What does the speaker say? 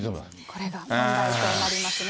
これが問題となりますね。